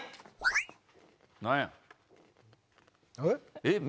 何や？